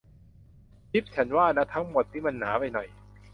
จี๊ฟ ฉันว่านะ ทั้งหมดนี้มันหนาไปหน่อย